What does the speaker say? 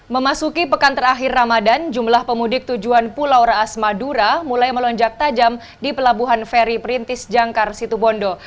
memasuki pekan terakhir ramadan jumlah pemudik tujuan pulau raas madura mulai melonjak tajam di pelabuhan feri perintis jangkar situbondo